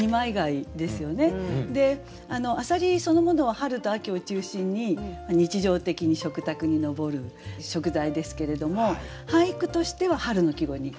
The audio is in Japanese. で浅蜊そのものは春と秋を中心に日常的に食卓に上る食材ですけれども俳句としては春の季語になってるんですね。